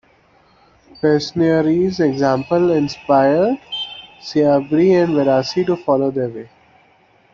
Pesniary's example inspired Siabry and Verasy to follow their way.